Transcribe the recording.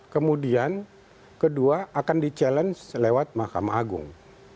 kemudian kedua akan di challenge lewat mahkamah agung